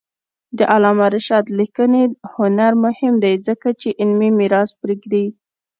د علامه رشاد لیکنی هنر مهم دی ځکه چې علمي میراث پرېږدي.